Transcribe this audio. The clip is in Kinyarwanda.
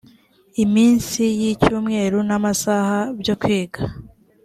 iminsi y icyumweru n amasaha byo kwiga